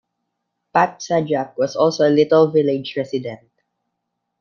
Pat Sajak was also a Little Village resident.